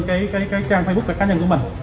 cái trang facebook cá nhân của mình